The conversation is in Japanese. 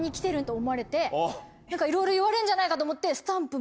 いろいろ言われるんじゃないかと思って。